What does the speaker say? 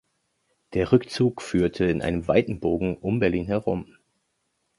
Der Rückzug führte in einem weiten Bogen um Berlin herum.